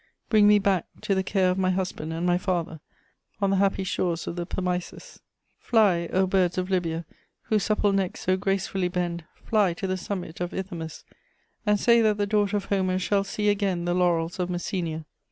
Bring me back to the care of my husband and my father, on the happy shores of the Pamisus! Fly, O birds of Lybia, whose supple necks so gracefully bend, fly to the summit of Ithomus and say that the daughter of Homer shall see again the laurels of Messenia!